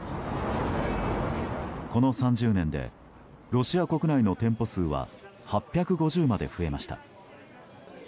この３０年でロシア国内の店舗数は８５０まで増えました。